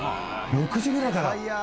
６時ぐらいから？